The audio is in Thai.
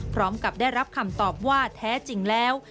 พร้อมกับได้รับคำตอบว่าแท้จริงแล้ว